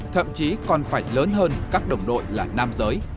thậm chí còn phải lớn hơn các đồng đội là nam giới